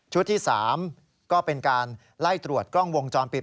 ที่๓ก็เป็นการไล่ตรวจกล้องวงจรปิด